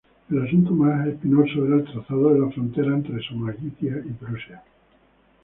El asunto más espinoso era el trazado de la frontera entre Samogitia y Prusia.